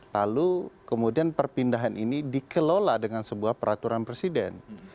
lalu kemudian perpindahan ini dikelola dengan sebuah peraturan presiden